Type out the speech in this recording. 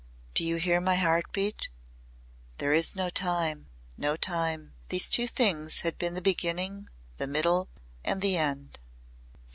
"Do you hear my heart beat? There is no time no time!" these two things had been the beginning, the middle and the end.